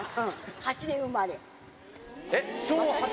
８年生まれ？